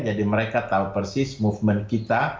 jadi mereka tahu persis movement kita